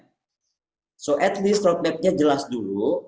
jadi setidaknya roadmapnya jelas dulu